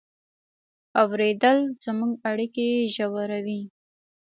اورېدل زموږ اړیکې ژوروي.